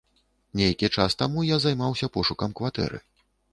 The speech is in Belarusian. Нейкі час таму я займаўся пошукам кватэры.